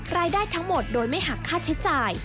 รายได้ทั้งหมดโดยไม่หักค่าใช้จ่าย